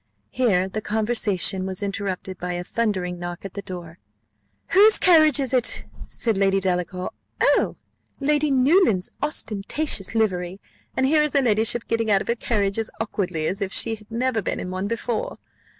Here the conversation was interrupted by a thundering knock at the door. "Whose carriage is it?" said Lady Delacour. "Oh! Lady Newland's ostentatious livery; and here is her ladyship getting out of her carriage as awkwardly as if she had never been in one before.